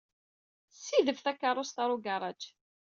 Ssidef takeṛṛust ɣer ugaṛaj.